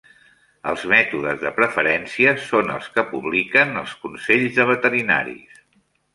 Els mètodes de preferència són els que publiquen els consells de veterinaris.